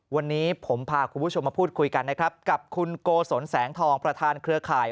วันนี้ผมพาคุณผู้ชมมาพูดคุยกันนะครับกับคุณโกศลแสงทองประธานเครือข่าย